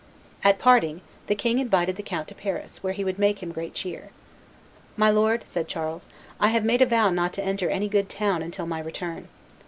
At parting, the king invited the count to Paris, where he would make him great cheer. "My lord," said Charles, "I have made a vow not to enter any good town until my return."